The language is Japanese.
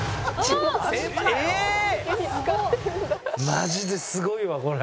マジですごいわこれ。